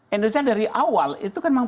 indonesia dari awal itu kan memang